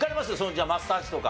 じゃあマッサージとか。